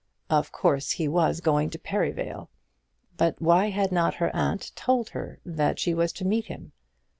Of course he was going to Perivale; but why had not her aunt told her that she was to meet him?